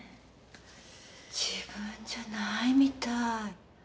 自分じゃないみたい。